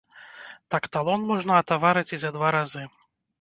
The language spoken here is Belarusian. Так талон можна атаварыць і за два разы.